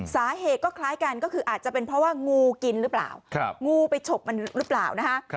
สาเหตุก็คล้ายกันก็คืออาจจะเป็นเพราะว่างูกินหรือเปล่างูไปฉกมันหรือเปล่านะคะ